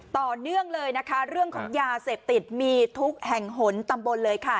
ต่อเนื่องเลยนะคะเรื่องของยาเสพติดมีทุกแห่งหนตำบลเลยค่ะ